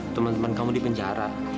teman teman kamu di penjara